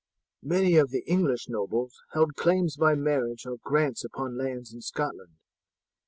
"Many of the English nobles held claims by marriage or grants upon lands in Scotland.